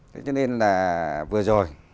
thế cho nên là vừa rồi